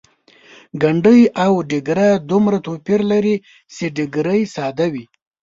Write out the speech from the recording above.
ګنډۍ او ډیګره دومره توپیر لري چې ګنډۍ ساده وي.